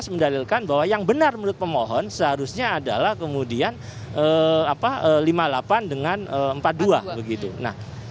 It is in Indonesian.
dua ribu sembilan belas mendalilkan bahwa yang benar menurut pemohon seharusnya adalah kemudian lima puluh delapan dengan empat puluh dua